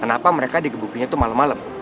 kenapa mereka digebukinnya tuh malem malem